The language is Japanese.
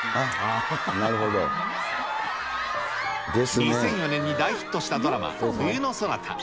２００４年に大ヒットしたドラマ、冬のソナタ。